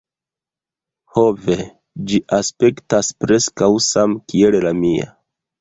Ho, ve. Ĝi aspektas preskaŭ samkiel la mia!